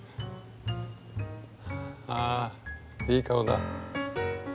あいい顔だ。